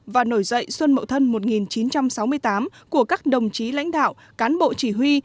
và nổi dậy xuân mậu thân một nghìn chín trăm sáu mươi tám của các đồng chí lãnh đạo cán bộ chỉ huy